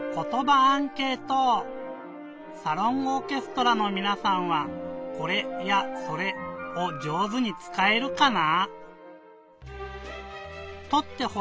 サロンオーケストラのみなさんは「これ」や「それ」をじょうずにつかえるかな？